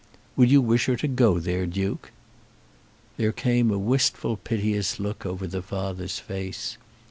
"Would you wish her to go there, Duke?" There came a wistful piteous look over the father's face.